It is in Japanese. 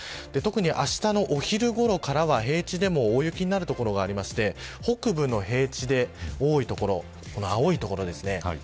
あしたのお昼ごろからは平地でも大雪になる所がありまして北部の平地で多い所は青い所ですね。